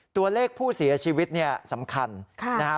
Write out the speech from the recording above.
ตัวเลขผู้เสียชีวิตสำคัญนะครับ